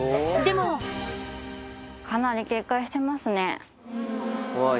かなり警戒してますね。